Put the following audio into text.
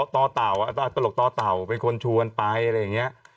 ต่อเต่าตลกต่อเต่าเป็นคนชวนไปอะไรอย่างนี้